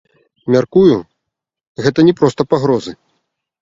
Мяркую, гэта не проста пагрозы.